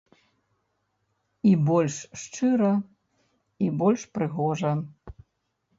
І больш шчыра, і больш прыгожа.